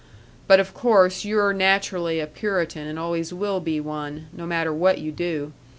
But of course you're naturally a Puritan and always will be one, no matter what you do.